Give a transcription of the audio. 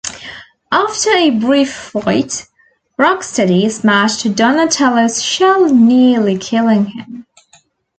After a brief fight, Rocksteady smashed Donatello's shell, nearly killing him.